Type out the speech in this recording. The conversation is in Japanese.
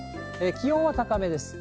気温は高めです。